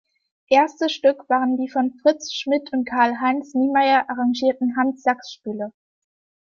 Erstes Stück waren die von Fritz Schmidt und Karl-Heinz Niemeyer arrangierten "Hans-Sachs-Spiele".